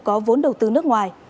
có vốn đầu tư nước ngoài